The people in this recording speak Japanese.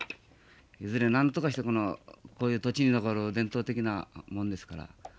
いずれなんとかしてこういう伝統的なもんですから。